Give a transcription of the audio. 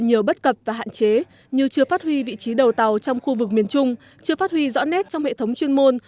nhiều bất cập và hạn chế như chưa phát huy vị trí đầu tàu trong khu vực miền trung chưa phát huy rõ nét trong hệ thống chuyên môn